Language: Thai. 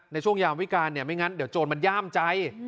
ในช่วงยามวิการเนี่ยไม่งั้นเดี๋ยวโจรมันย่ามใจ